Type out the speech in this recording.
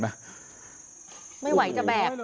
ไม่ไหวจะแบก